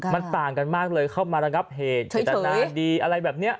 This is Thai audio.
มันต่างกันมากเลยเข้ามาระงับเหตุเจตนาดีอะไรแบบนี้